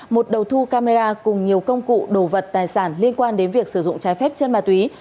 một đầu thu camera cùng nhiều công cụ đồ vật tài sản liên quan đến việc sử dụng trái phép chân ma túy